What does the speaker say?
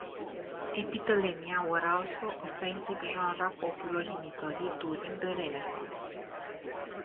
Epithalamia were also a painting genre popular in Italy during the Renaissance.